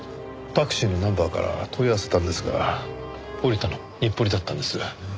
タクシーのナンバーから問い合わせたんですが降りたの日暮里だったんです。